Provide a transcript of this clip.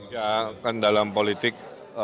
yang dalam politik